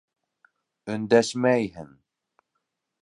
Өндәшмәйһең...